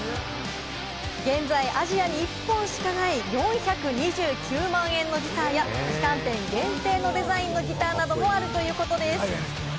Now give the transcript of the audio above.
現在、アジアに１本しかない、４２９万円のギターや旗艦店限定のデザインのギターなどもあるということです。